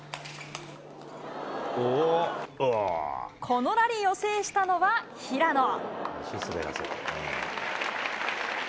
このラリーを制したのは平野。